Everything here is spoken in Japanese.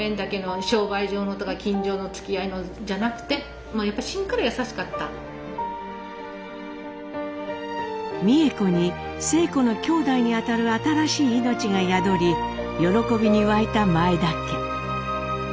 あの美枝子に晴子のきょうだいに当たる新しい命が宿り喜びに沸いた前田家。